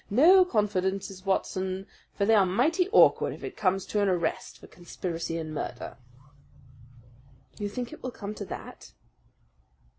"No confidences, Watson; for they are mighty awkward if it comes to an arrest for conspiracy and murder." "You think it will come to that?"